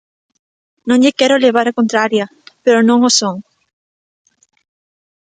Non lle quero levar a contraria, pero non o son.